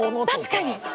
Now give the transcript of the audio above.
確かに。